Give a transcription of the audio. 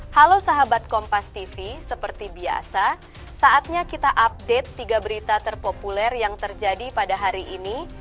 halo sahabat kompas tv seperti biasa saatnya kita update tiga berita terpopuler yang terjadi pada hari ini